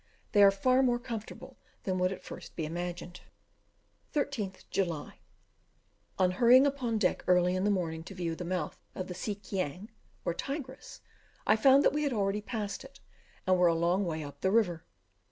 They are far more comfortable than would at first be imagined. 13th July. On hurrying upon deck early in the morning to view the mouth of the Si Kiang, or Tigris, I found that we had already passed it, and were a long way up the river.